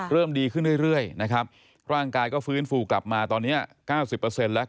เริ่มดีขึ้นเรื่อยร่างกายก็ฟื้นฟูกลับมาตอนนี้๙๐แล้ว